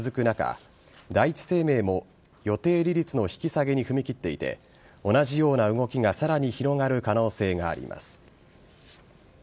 中第一生命も予定利率の引き下げに踏み切っていて同じような動きがさらに広がる可能性があります。